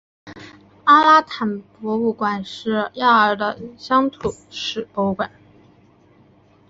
阿拉坦博物馆是亚尔的乡土史博物馆。